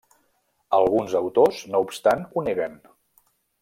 Alguns autors no obstant ho neguen.